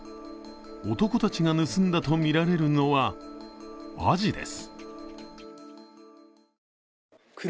男たちが盗んだとみられるのは、アジです。